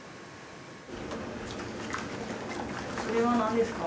それは何ですか？